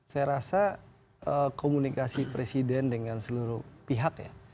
saya rasa komunikasi presiden dengan seluruh pihak ya